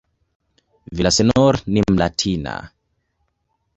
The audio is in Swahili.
Villaseñor ni "Mlatina".